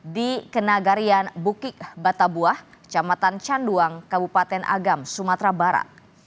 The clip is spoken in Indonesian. di kenagarian bukik batabuah kecamatan canduang kabupaten agam sumatera barat